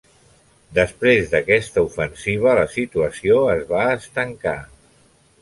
Després d'aquesta ofensiva la situació es va estancar.